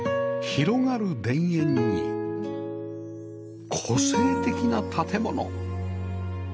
広がる田園に個性的な建物